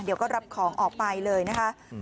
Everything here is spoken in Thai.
เดี๋ยวก็รับของออกไปเลยนะคะ